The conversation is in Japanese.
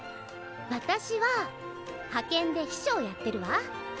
私は派遣で秘書をやってるわ。